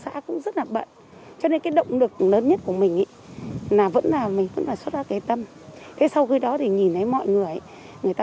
trong công việc thì nhiệt tình hết mức trong khả năng của mình lúc nào cũng được bất kể mình gọi sớm tối cũng có mặt được luôn